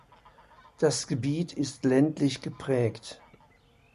Das Gebiet ist ländlich geprägt.